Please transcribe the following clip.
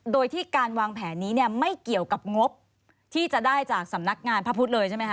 โดยที่การวางแผนนี้เนี่ยไม่เกี่ยวกับงบที่จะได้จากสำนักงานพระพุทธเลยใช่ไหมค